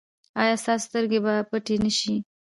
ایا ستاسو سترګې به پټې نه شي؟